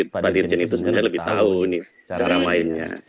pak dirjen itu sebenarnya lebih tahu cara mainnya